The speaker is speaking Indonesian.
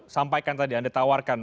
sampaikan tadi anda tawarkan